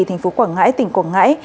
thành phố quảng ngãi tỉnh quảng ngãi